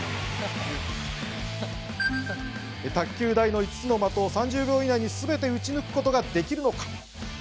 卓球台の５つの的を３０秒以内にすべて打ち抜くことができるのか。